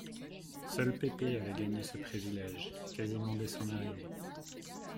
Seul Pépé avait gagné ce privilège, quasiment dès son arrivée.